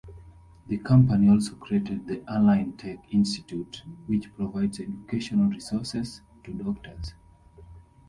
The company also created the AlignTech Institute, which provides educational resources to doctors.